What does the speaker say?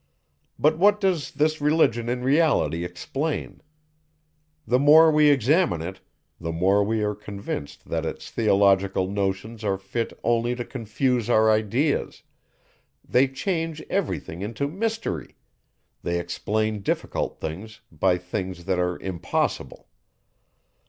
But, what does this Religion in reality explain? The more we examine it, the more we are convinced that its theological notions are fit only to confuse our ideas; they change every thing into mystery: they explain difficult things by things that are impossible.